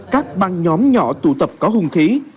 các băng nhóm nhỏ tụ tập có hung khí